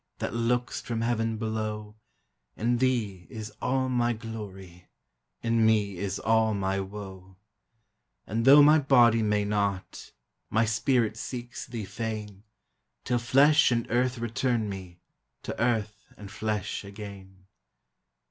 That look'st from heaven below, In thee is all my glory, In me is all my woe; And though my body may not, My spirit seeks thee fain, Till flesh and earth return me To earth and flesh again.